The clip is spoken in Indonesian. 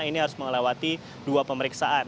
ini harus melewati dua pemeriksaan